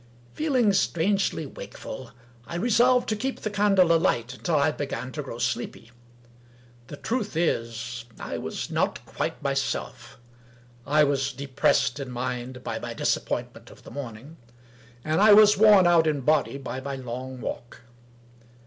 Feeling strangely wakeful, I resolved to keep the candle alight until I began to grow sleepy. The truth is, I was not quite myself. I was depressed in mind by my disap pointment of the morning; and I was worn out in body by my long walk.